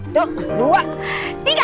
tuh dua tiga